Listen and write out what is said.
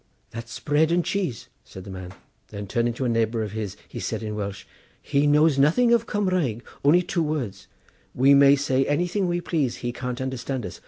"That's bread and cheese," said the man, then turning to a neighbour of his he said in Welsh: "He knows nothing of Cumraeg, only two words; we may say anything we please; he can't understand us.